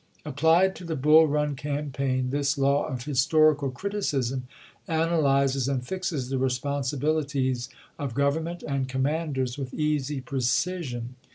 Applied to the Bull Run campaign, this law of historical criticism analyzes and fixes the responsi bilities of government and commanders with easy precision.